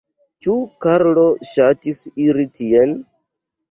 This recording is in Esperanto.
Ĉu Karlo ŝatis iri tien?